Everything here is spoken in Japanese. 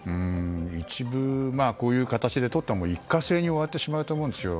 こういう形でとっても一過性に終わってしまうと思うんですよ。